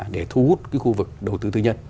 để thu hút cái khu vực đầu tư tư nhân